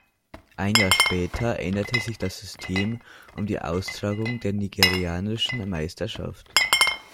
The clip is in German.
Ein Jahr später änderte sich das System um die Austragung der nigerianischen Meisterschaft.